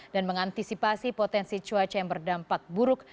dan mengantisipasi potensi cuaca yang berdampak buruk